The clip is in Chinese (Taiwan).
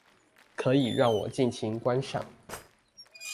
可以讓我盡情觀賞